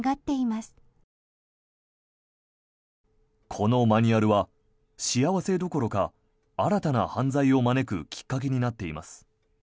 このマニュアルは幸せどころか新たな犯罪を招くきっかけになっています。